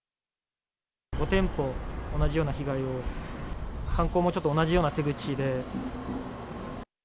５店舗同じような被害を、犯行もちょっと同じような手口で。